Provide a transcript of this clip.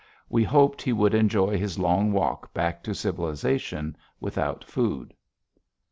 We hoped he would enjoy his long walk back to civilization without food.